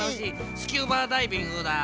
スキューバダイビングだ。